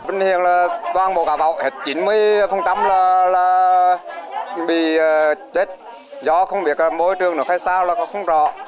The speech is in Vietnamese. vinh hiền là toàn bộ cá bọc hết chín mươi là bị chết do không biết môi trường nữa hay sao là không rõ